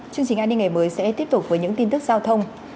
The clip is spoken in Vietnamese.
chương trình an ninh ngày mới sẽ tiếp tục với những tin tức giao thông